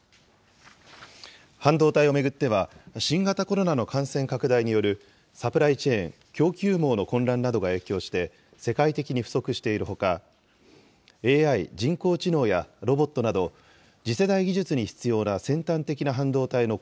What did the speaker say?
半導体を巡っては、新型コロナの感染拡大によるサプライチェーン・供給網の混乱などが影響して、世界的に不足しているほか、ＡＩ・人工知能やロボットなど、次世代技術に必要な先端的な半導体の